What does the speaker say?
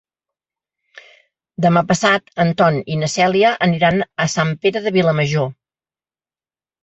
Demà passat en Ton i na Cèlia aniran a Sant Pere de Vilamajor.